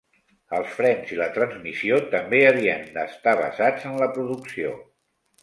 Els frens i la transmissió també havien d'estar basats en la producció.